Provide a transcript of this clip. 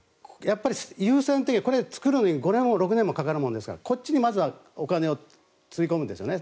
優先的に作るのに５年も６年もかかるわけですからこっちにまずはお金をつぎ込むんですね。